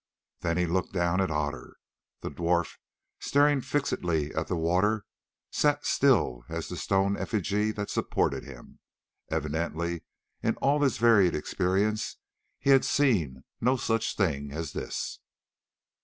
Then he looked down at Otter. The dwarf, staring fixedly at the water, sat still as the stone effigy that supported him. Evidently in all his varied experience he had seen no such thing as this.